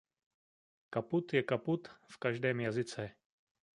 Kaput je kaput v každém jazyce!